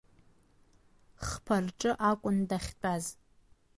Хԥа рҿы акәын дахьтәаз.